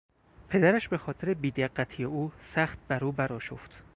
پدرش به خاطر بیدقتی او، سخت بر او برآشفت.